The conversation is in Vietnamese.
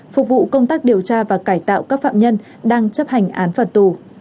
phục vụ công tác điều tra và cải tạo các phạm nhân đang chấp hành án phạt tù